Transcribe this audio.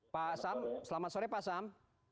pak sam selamat sore pak sam